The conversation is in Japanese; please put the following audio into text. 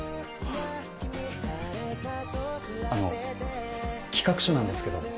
あの企画書なんですけど。